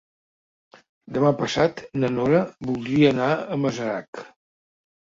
Demà passat na Nora voldria anar a Masarac.